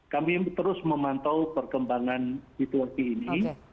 kami terus memantau perkembangan situasi ini